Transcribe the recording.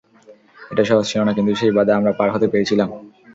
এটা সহজ ছিল না, কিন্তু সেই বাধা আমরা পার হতে পেরেছিলাম।